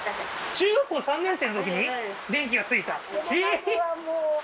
中学校３年生の時に電気がついたええー